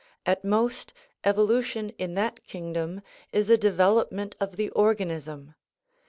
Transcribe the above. At most, evo lution in that kingdom is a development of the organism.